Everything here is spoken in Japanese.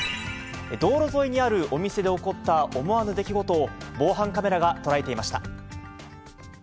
道路沿いにあるお店で起こった思わぬ出来事を、防犯カメラが捉えていました。